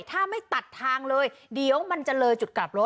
ถ้าไม่ตัดทางเลยเดี๋ยวมันจะเลยจุดกลับรถ